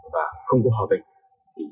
và không có hòa bình thì